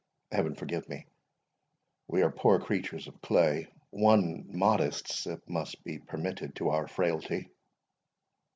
Heaven forgive me—we are poor creatures of clay—one modest sip must be permitted to our frailty."